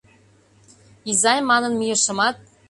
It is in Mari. «Изай» манын мийышымат